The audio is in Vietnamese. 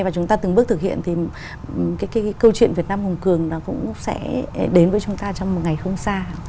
và chúng ta từng bước thực hiện thì cái câu chuyện việt nam hùng cường nó cũng sẽ đến với chúng ta trong một ngày không xa